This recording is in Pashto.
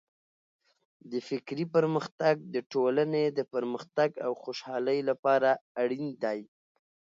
د فکري پرمختګ د ټولنې د پرمختګ او خوشحالۍ لپاره اړین دی.